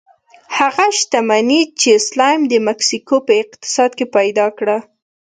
هغه شتمني چې سلایم د مکسیکو په اقتصاد کې پیدا کړه.